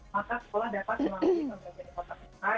maka sekolah dapat melalui pembelajaran kata kata